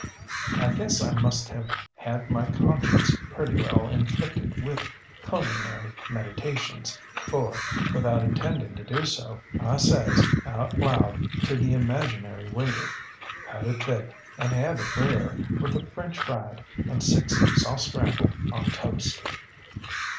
ŌĆ£I guess I must have had my conscience pretty well inflicted with culinary meditations, for, without intending to do so, I says, out loud, to the imaginary waiter, ŌĆśCut it thick and have it rare, with the French fried, and six, soft scrambled, on toast.